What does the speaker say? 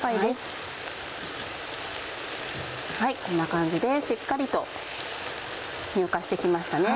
こんな感じでしっかりと乳化して来ました。